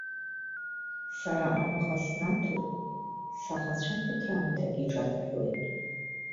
Сара абӷа снаҭоит, саӷацәа ԥыҭраамҭак иҿанаҳәоит.